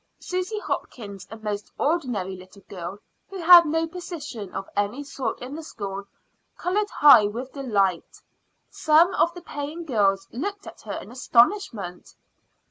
Susy Hopkins, a most ordinary little girl, who had no position of any sort in the school, colored high with delight. Some of the paying girls looked at her in astonishment.